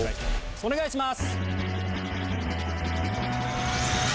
お願いします。